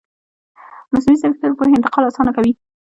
مصنوعي ځیرکتیا د پوهې انتقال اسانه کوي.